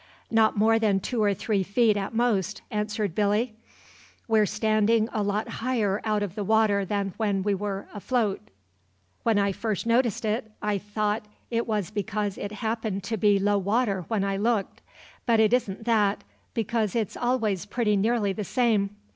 "Not more than two or three feet, at most," answered Billy. "We're standin' a lot higher out of the water than we were when afloat. When I first noticed it I thought it was because it happened to be low water when I looked; but it isn't that, because it's always pretty nearly the same.